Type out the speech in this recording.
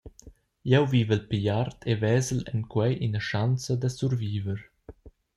Jeu vivel pigl art e vesel en quei ina schanza da surviver.